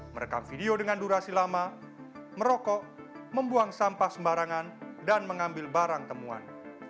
merekam video dengan durasi lama merokok membuang sampah sembarangan dan mengambil barang temuan